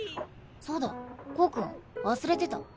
そうだコウ君忘れてた。